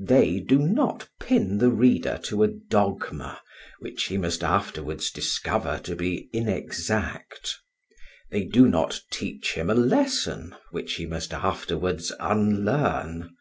They do not pin the reader to a dogma, which he must afterwards discover to be inexact; they do not teach him a lesson, which he must afterwards unlearn.